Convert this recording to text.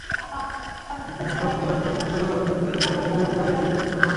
নেপলসের রাস্তা থেকে শুরু করে ফেসবুক-টুইটারে হিগুয়েইন জ্বালিয়ে দিয়েছেন ক্ষোভের দাবানল।